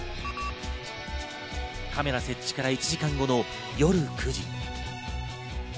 カメラ設置から１時間後の夜９時。